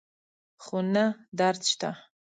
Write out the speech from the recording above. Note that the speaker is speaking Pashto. خو نه درد شته